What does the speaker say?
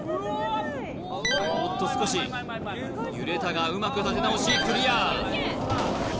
おっと少し揺れたがうまく立て直しクリア